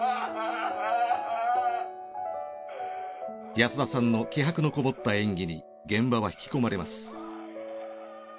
安田さんの気迫のこもった演技に現場は引き込まれます。